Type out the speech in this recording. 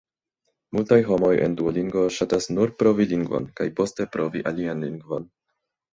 Multaj homoj en Duolingo ŝatas nur provi lingvon kaj poste provi alian lingvon.